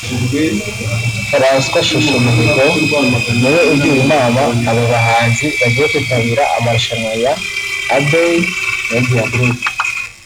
Francois Chouchou Mihigo niwe ugira inama aba bahanzi bagiye kwitabira amarushanwa ya Abbey Media Group